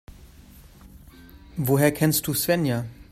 Woher kennst du Svenja?